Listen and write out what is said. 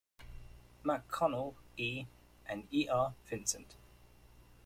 MacConnell, E., and E. R. Vincent.